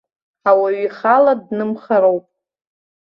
Ауаҩы ихала днымхароуп.